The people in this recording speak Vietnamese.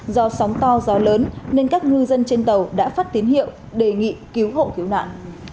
do sóng to gió lớn nên các ngư dân trên tàu đã phát tín hiệu đề nghị cứu hộ cứu nạn